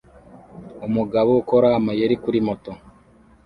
umugabo ukora amayeri kuri moto